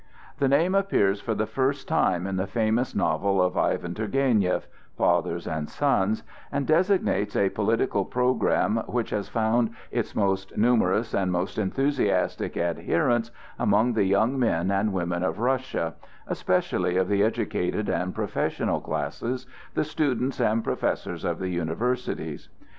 The name appears for the first time in the famous novel of Ivan Turgenieff, "Fathers and Sons," and designates a political programme which has found its most numerous and most enthusiastic adherents among the young men and women of Russia, especially of the educated and professional classes, the students and professors of the universities.